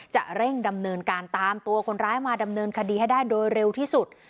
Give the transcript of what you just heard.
จะเร่งดำเนินการตามตัวคนร้ายมาดำเนินคดีให้ได้โดยเร็วที่สุด